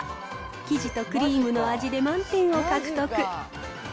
生地とクリームの味で満点を獲得。